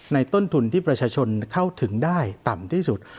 ต้นทุนที่ประชาชนเข้าถึงได้ต่ำที่สุด